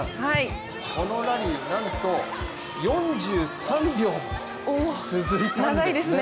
このラリー、なんと４３秒も続いたんですね。